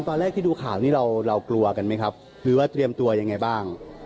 ตอนแรกที่ดูข่าวนี้เรากลัวกันไหมครับหรือว่าเตรียมตัวยังไงบ้าง